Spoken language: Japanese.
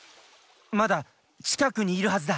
まだちかくにいるはずだ！